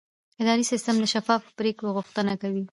اداري سیستم د شفافو پریکړو غوښتنه کوي.